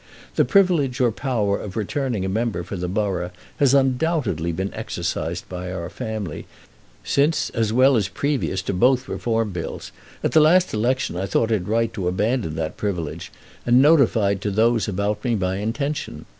The privilege or power of returning a member for the borough has undoubtedly been exercised by our family since as well as previous to both the Reform Bills. At the last election I thought it right to abandon that privilege, and notified to those about me my intention.